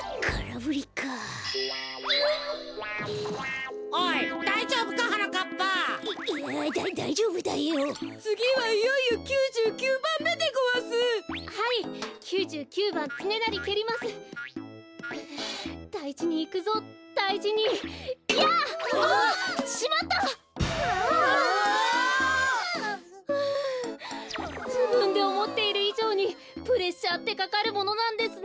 ふじぶんでおもっているいじょうにプレッシャーってかかるものなんですね。